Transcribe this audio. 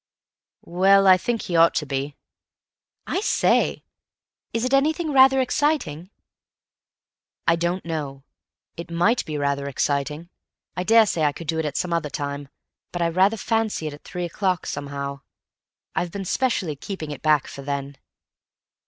"Well, I think he ought to be." "I say, is it anything rather exciting?" "I don't know. It might be rather interesting. I daresay I could do it at some other time, but I rather fancy it at three o'clock, somehow. I've been specially keeping it back for then."